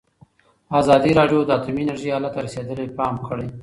ازادي راډیو د اټومي انرژي حالت ته رسېدلي پام کړی.